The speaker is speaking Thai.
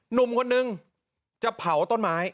หนุ่มคนนึงจะเผาต้นไม้